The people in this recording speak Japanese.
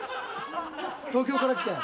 東京から来たん？